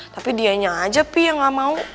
tapi dianya aja pi yang gak mau